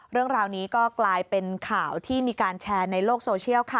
เรื่องราวนี้ก็กลายเป็นข่าวที่มีการแชร์ในโลกโซเชียลค่ะ